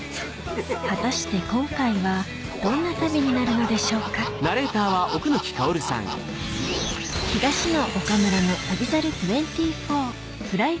果たして今回はどんな旅になるのでしょうか次どうすんの？